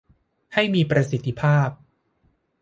ให้มีประสิทธิภาพ